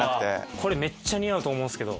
これめっちゃ似合うと思うんですけど。